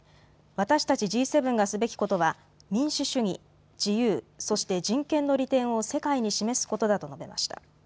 私たちＧ７がすべきことは民主主義、自由そして人権の利点を世界に示すことだと述べました。